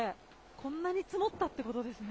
こんなに積もったってことですね。